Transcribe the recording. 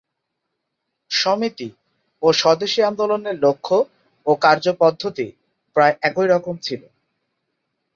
সমিতি ও স্বদেশী আন্দোলনের লক্ষ ও কার্যপদ্ধতি প্রায় একই রকম ছিল।